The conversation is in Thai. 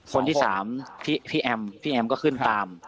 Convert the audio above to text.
คนที่๓พี่แอมก็ขึ้นตาม